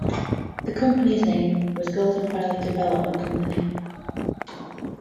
The company's name was Golden Valley Development Company.